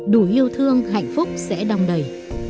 đủ yêu thương hạnh phúc sẽ đong đầy